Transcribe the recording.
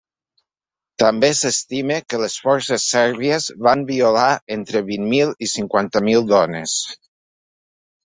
També s’estima que les forces sèrbies van violar entre vint mil i cinquanta mil dones.